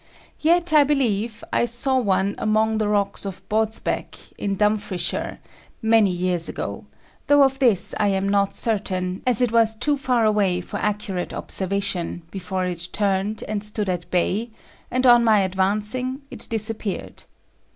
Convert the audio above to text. Yet I believe I saw one among the rocks of Bodsbeck, in Dumfriesshire, many years ago, though of this I am not certain, as it was too far away for accurate observation before it turned and stood at bay, and on my advancing it disappeared.